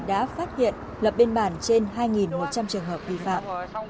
đã phát hiện lập biên bản trên hai một trăm linh trường hợp vi phạm